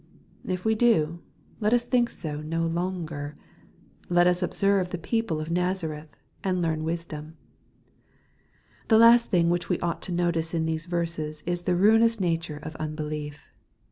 If we do, let us think so no longer. Let us observe the people of Nazareth, and learn wisdom. The last thing which we ought to notice in these verses is the ruinous nature of unbelief.